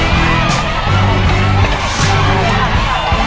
สวัสดีครับ